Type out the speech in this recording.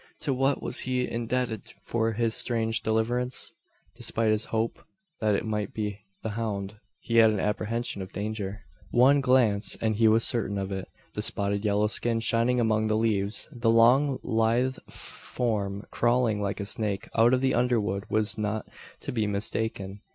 To what was he indebted for his strange deliverance? Despite his hope that it might be the hound, he had an apprehension of danger. One glance, and he was certain of it. The spotted yellow skin shining among the leaves the long, lithe form crawling like a snake out of the underwood was not to be mistaken.